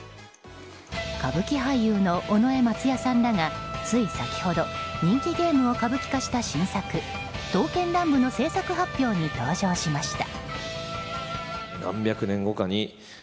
歌舞伎俳優の尾上松也さんらがつい先ほど人気ゲームを歌舞伎化した新作「刀剣乱舞」の制作発表に登場しました。